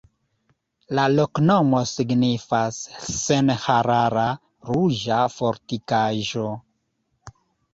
La loknomo signifas: senharara-ruĝa-fortikaĵo.